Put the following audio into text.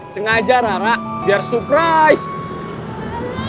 sengaja rara biar surprise